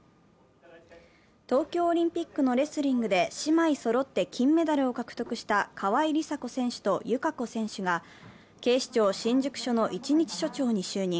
東京オリンピックのレスリングで姉妹そろって金メダルを獲得した川井梨紗子選手と友香子選手が警視庁新宿署の一日署長に就任。